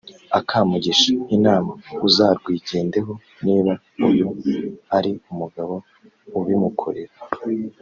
akamugisha inama uzarwigendeho niba uyu ari umugabo ubimukorera